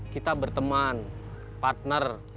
kita berteman partner